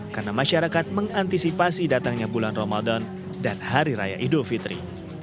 karena masyarakat mengantisipasi datangnya bulan ramadan dan hari raya idul fitri